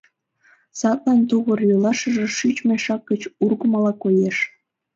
Садлан тувыр-йолашыже шӱч мешак гыч ургымыла коеш.